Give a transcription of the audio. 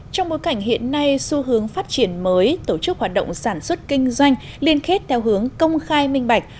trong bối cảnh hiện nay xu hướng phát triển mới tổ chức hoạt động sản xuất kinh doanh liên kết theo hướng công khai minh bạch